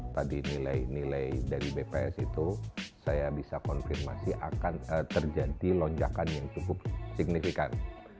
tadi nilai nilai dari bps itu saya bisa konfirmasi akan terjadi lonjakan yang cukup signifikan